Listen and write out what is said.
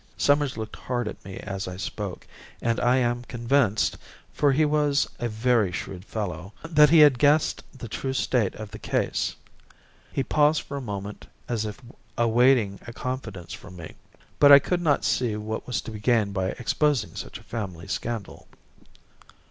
Summers looked hard at me as I spoke, and I am convinced for he was a very shrewd fellow that he had guessed the true state of the case. He paused for a moment as if awaiting a confidence from me, but I could not see what was to be gained by exposing such a family scandal.